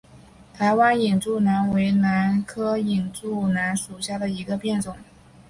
台湾隐柱兰为兰科隐柱兰属下的一个变种。